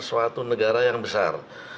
suatu negara yang besar